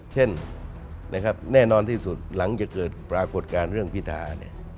เช่นแน่นอนที่สุดหลังจากเกิดปรากฏการณ์เรื่องพิธา